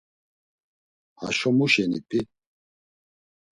Haşo mu şeni p̌i?